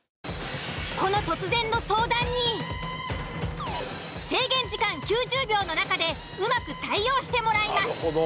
この突然の相談に制限時間９０秒の中でうまく対応してもらいます。